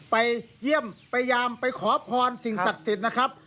ไปเยี่ยมพยายามไปขอพรสิ่งศักดิ์สิทธิ์นะครับ